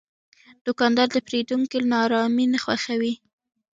دوکاندار د پیرودونکي ناارامي نه خوښوي.